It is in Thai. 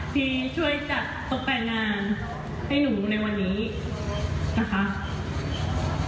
ที่ช่วยจัดตกแต่งงานให้หนูในวันนี้นะคะ